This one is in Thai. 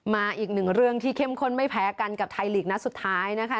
อีกหนึ่งเรื่องที่เข้มข้นไม่แพ้กันกับไทยลีกนัดสุดท้ายนะคะ